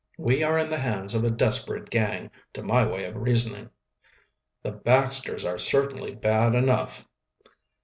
"We are in the hands of a desperate gang, to my way of reasoning." "The Baxters are certainly bad enough."